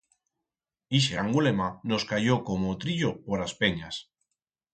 Ixe angulema nos cayió como o trillo por as penyas!